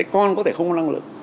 con có thể không có năng lực